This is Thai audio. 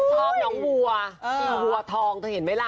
ชอบน้องวัวทองเธอเห็นไหมล่ะ